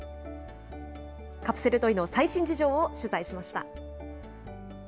カプセルトイの最新事情を取材しました。